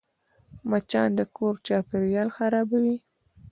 مچان د کور چاپېریال خرابوي